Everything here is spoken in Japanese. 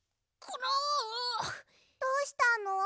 どうしたの？